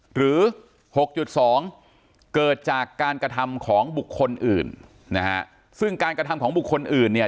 หรือ๖๒เกิดจากการกระทำของบุคคลอื่นนะฮะซึ่งการกระทำของบุคคลอื่นเนี่ย